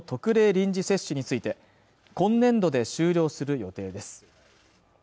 臨時接種について今年度で終了する予定です